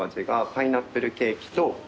パイナップルケーキ。